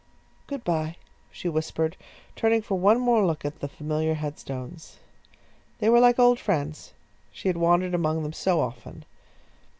"Good bye," she whispered, turning for one more look at the familiar headstones. They were like old friends; she had wandered among them so often.